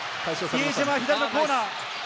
比江島、左のコーナー。